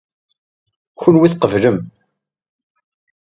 Kunwi tqeblem.